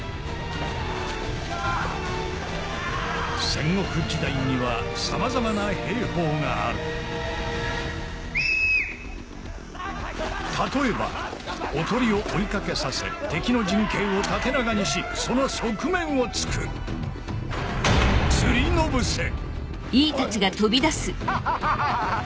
戦国時代にはさまざまな兵法がある例えばおとりを追い掛けさせ敵の陣形を縦長にしその側面を突くハハハ！